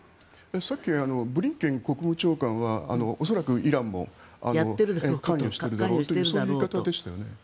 さっきブリンケン国務長官は恐らく、イランも関与しているだろうというそういう言い方でしたよね。